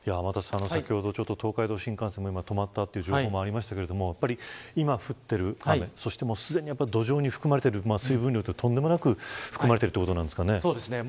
東海道新幹線も止まったという情報がありましたが今降っている雨やすでに土壌に含まれている水分量はとんでもなく多いということですかね。